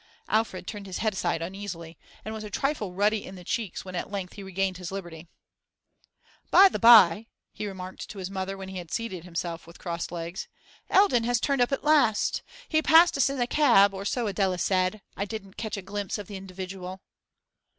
Alfred turned his head aside uneasily, and was a trifle ruddy in the cheeks when at length he regained his liberty. 'By the by,' he remarked to his mother when he had seated himself, with crossed legs, 'Eldon has turned up at last. He passed us in a cab, or so Adela said. I didn't catch a glimpse of the individual.